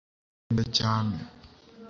ugenda cyane